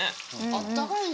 あったかいね。